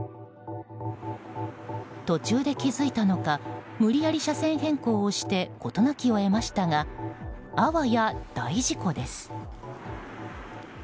途中で気づいたのか無理やり車線変更をして事なきを得ましたがあわや大事故です。